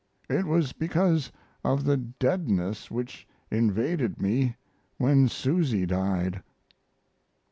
It was because of the deadness which invaded me when Susy died.